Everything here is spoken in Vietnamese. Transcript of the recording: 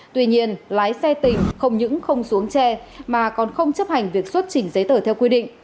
tuy nhiên lái xe tình không những không xuống che mà còn không chấp hành việc xuất chỉnh giấy tờ theo quy định